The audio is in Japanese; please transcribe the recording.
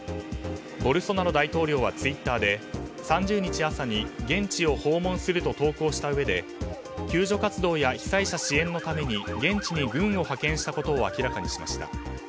ボルソナロ大統領はツイッターで３０日朝に現地を訪問すると投稿したうえで救助活動や被災者支援のために現地に軍を派遣したことを明らかにしました。